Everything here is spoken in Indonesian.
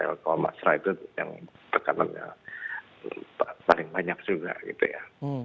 kalau masyarakat yang tekanannya paling banyak juga gitu ya